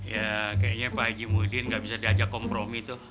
ya kayaknya pak haji mudin gak bisa diajak kompromi tuh